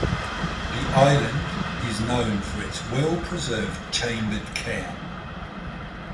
The island is known for its well-preserved chambered cairn.